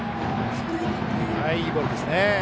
いいボールですね。